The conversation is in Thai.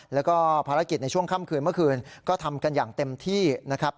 แล้วก็ภารกิจในช่วงค่ำคืนเมื่อคืนก็ทำกันอย่างเต็มที่นะครับ